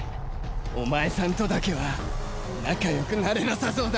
お前さんとだけは仲良くなれなさそうだ！